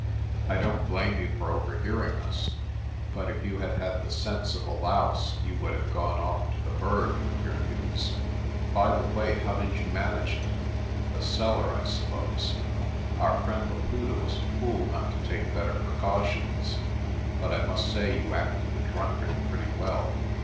I don't blame you for overhearing us; but if you had had the sense of a louse you would have gone off to the Berg with your news. By the way, how did you manage it? A cellar, I suppose. Our friend Laputa was a fool not to take better precautions ; but I must say you acted the drunkard pretty well."